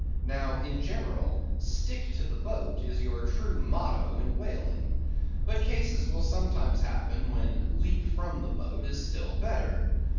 Now, in general, Stick to the boat, is your true motto in whaling; but cases will sometimes happen when Leap from the boat, is still better.